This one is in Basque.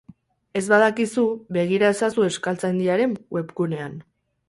Ez badakizu, begira ezazu Euskaltzaindiaren webgunean.